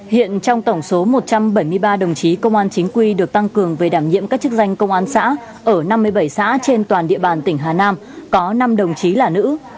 hiện trong tổng số một trăm bảy mươi ba đồng chí công an chính quy được tăng cường về đảm nhiệm các chức danh công an xã ở năm mươi bảy xã trên toàn địa bàn tỉnh hà nam có năm đồng chí là nữ